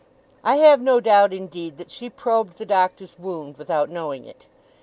I have no doubt, indeed, that she probed the Doctor's wound without knowing it.